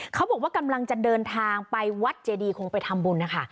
เขาบอกว่ากำลังจะเดินทางไปวัดเจดีคงไปทำบุญนะคะ